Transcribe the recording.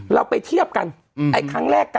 เราไปเทียบกัน